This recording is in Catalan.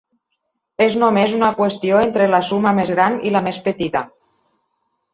És només una qüestió entre la suma més gran i la més petita.